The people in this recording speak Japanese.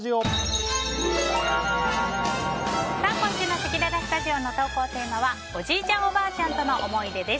今週のせきららスタジオの投稿テーマはおじいちゃん・おばあちゃんとの思い出です。